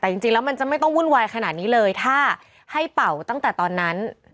แต่จริงแล้วมันจะไม่ต้องวุ่นวายขนาดนี้เลยถ้าให้เป่าตั้งแต่ตอนนั้น